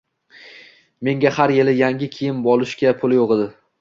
menga har yili yangi kiyim olishga puli yo‘q edi.